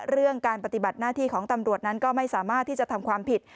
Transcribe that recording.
เรื่องการปฏิบัติหน้าที่ของตำรวจนั้นก็ไม่สามารถที่จะทำความผิด